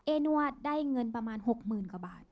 นวดได้เงินประมาณ๖๐๐๐กว่าบาท